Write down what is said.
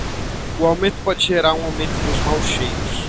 O aumento pode gerar um aumento nos maus cheiros.